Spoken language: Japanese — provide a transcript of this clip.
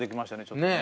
ちょっとね。